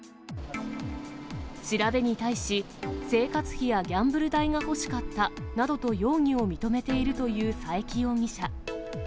調べに対し、生活費やギャンブル代が欲しかったなどと、容疑を認めているという佐伯容疑者。